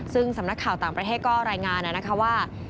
ซึ่งสำนักข่าวต่างประเทศก็รายงานนะคะว่า